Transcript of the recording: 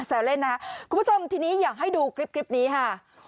เล่นนะครับคุณผู้ชมทีนี้อยากให้ดูคลิปนี้ค่ะ